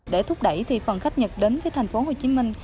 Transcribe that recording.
để thúc đẩy thì phần khách nhật đến với thành phố hồ chí minh